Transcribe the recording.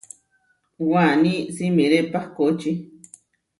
Waní simiré pahkóči.